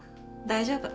大丈夫。